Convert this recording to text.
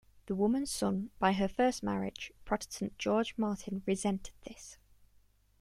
The woman's son, by her first marriage, Protestant George Marten, resented this.